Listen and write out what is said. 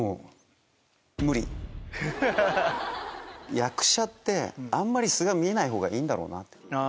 役者ってあんまり素が見えないほうがいいんだろうって。